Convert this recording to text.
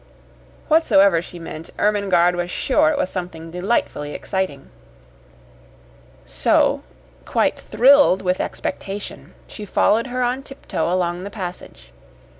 Whatsoever she meant, Ermengarde was sure it was something delightfully exciting. So, quite thrilled with expectation, she followed her on tiptoe along the passage.